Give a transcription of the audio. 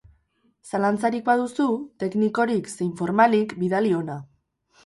Zalantzarik baduzu, teknikorik zein formalik, bidali hona.